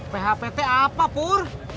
phpt apa pur